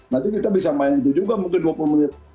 nanti kita bisa main itu juga mungkin dua puluh menit